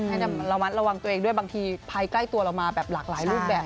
ให้ระมัดระวังตัวเองด้วยบางทีภายใกล้ตัวเรามาแบบหลากหลายรูปแบบ